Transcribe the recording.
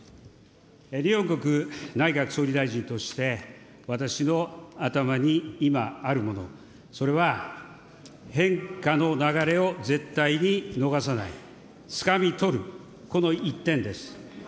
日本国内閣総理大臣として、私の頭に今あるもの、それは変化の流れを絶対に逃さない、つかみ取る、この一点です。